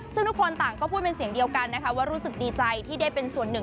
ซึ่งทุกคนต่างก็พูดเป็นเสียงเดียวกันนะคะว่ารู้สึกดีใจที่ได้เป็นส่วนหนึ่ง